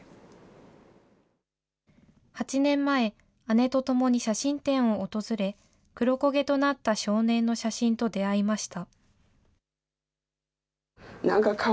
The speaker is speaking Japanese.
８年前、姉と共に写真展を訪れ、黒焦げとなった少年の写真と出会いました。